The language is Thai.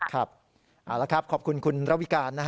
ครับขอบคุณคุณระวิการ